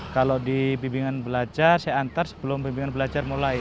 kalau di bimbingan belajar saya antar sebelum bimbingan belajar mulai